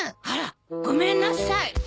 あら！ごめんなさい。